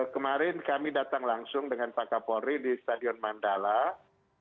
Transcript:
kemarin kami datang langsung dengan pak kapolri di stadion mandala